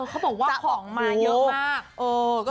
เขาบอกว่าของมาเยอะมาก